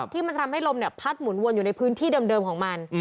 ที่มันจะทำให้ลมพัดหมุนวนอยู่ในพื้นที่เดิมของมัน